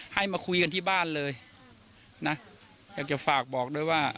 ให้มาคุยกันที่บ้านเลยนะอยากจะฝากบอกด้วยว่า